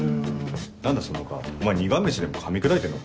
何だその顔苦虫でもかみ砕いてんのか？